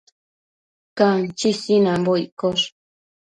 Canchi sinanbo iccosh